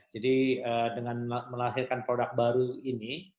jadi dengan melahirkan produk baru ini